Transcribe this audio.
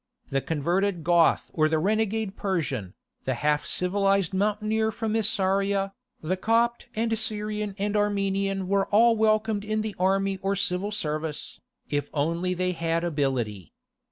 The converted Goth or the renegade Persian, the half civilized mountaineer from Isauria, the Copt and Syrian and Armenian were all welcomed in the army or civil service, if only they had ability.